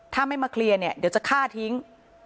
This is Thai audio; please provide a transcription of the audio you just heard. ถ้าไม่มาเคลียร์เนี่ยเดี๋ยวจะฆ่าทิ้ง